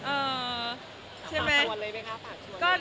เอ่อใช่ไหม